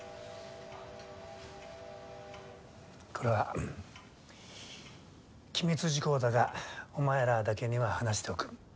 これは機密事項だがお前らだけには話しておく。